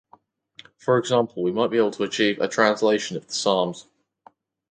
For example, we might be able to achieve a translation of the Psalms